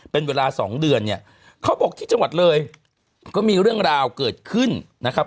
เป็นเวลาสองเดือนเนี่ยเขาบอกที่จังหวัดเลยก็มีเรื่องราวเกิดขึ้นนะครับ